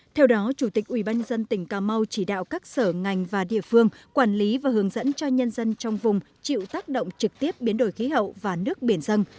theo đó chủ tịch ubnd tỉnh cà mau chỉ đạo các sở ngành và địa phương quản lý và hướng dẫn cho nhân dân trong vùng chịu tác động trực tiếp biến đổi khí hậu và nước biển dân